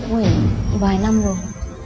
ủa vài năm rồi